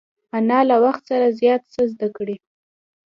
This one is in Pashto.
انا له وخت سره زیات څه زده کړي